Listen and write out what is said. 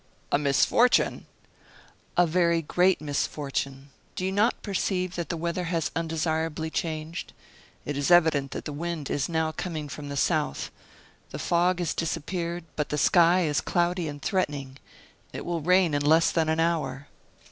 "A misfortune!" "A very great misfortune. Do you not perceive that the weather has undesirably changed. It is evident that the wind is now coming from the south. The fog has disappeared, but the sky is cloudy and threatening. It will rain in less than an hour."